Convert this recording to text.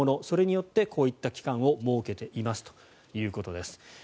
それによってこういった期間を設けていますということです。